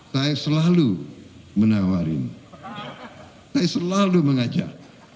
saya selalu menawari saya selalu mengajak